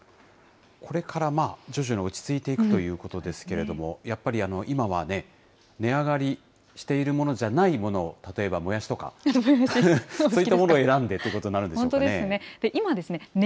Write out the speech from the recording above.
これから徐々に落ち着いていくということですけれども、やっぱり、今は値上がりしているものじゃないものを、例えばもやしとか、そういったものを選んでということになるんでしょうかね。